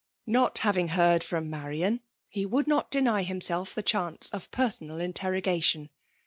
Not havkig heard fiem Marian, he would not deny himself Ihe ehance of penonal intenogation.